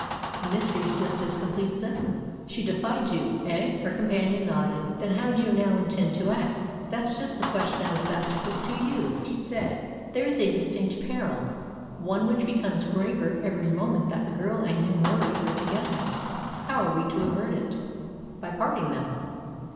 The mystery is just as complete as ever." "She defied you eh?" Her companion nodded. "Then how do you now intend to act?" "That's just the question I was about to put to you," he said. "There is a distinct peril one which becomes graver every moment that the girl and young Murie are together. How are we to avert it?" "By parting them."